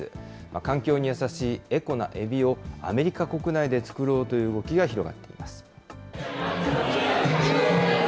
環境に優しいエコなエビを、アメリカ国内でつくろうという動きが広がっています。